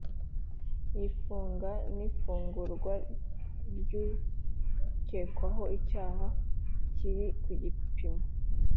Y ifunga n ifungurwa ry ukekwaho icyaha iri ku gipimo